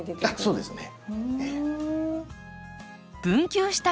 そうですね。